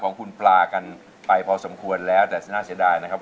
ของคุณปลากันไปพอสมควรแล้วแต่น่าเสียดายนะครับ